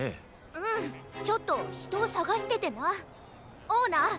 うんちょっとひとをさがしててなオーナー